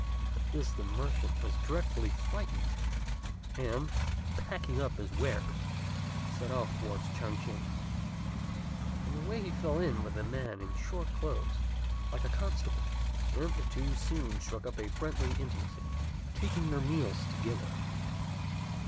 At this the merchant was dreadfully frightened, and, packing up his wares, set off towards Ch'ang ch'ing. On the way he fell in with a man in short clothes, like a constable; and the two soon struck up a friendly intimacy, taking their meals together.